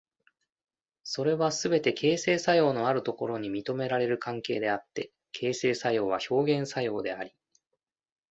それはすべて形成作用のあるところに認められる関係であって、形成作用は表現作用であり、